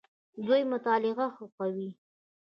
دوی مطالعه خوښوي.